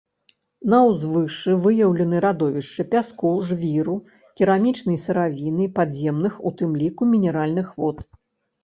На ўзвышшы выяўлены радовішчы пяску, жвіру, керамічнай сыравіны, падземных, у тым ліку мінеральных вод.